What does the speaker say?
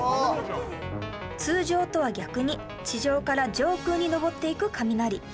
通常とは逆に地上から上空に昇っていく雷